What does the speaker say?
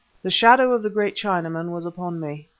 The shadow of the great Chinaman was upon me.